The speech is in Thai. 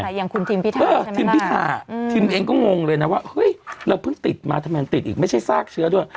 อย่างคุณทิมพิธาเออทีมพิธาทีมเองก็งงเลยนะว่าเฮ้ยเราเพิ่งติดมาทำไมติดอีกไม่ใช่ซากเชื้อด้วย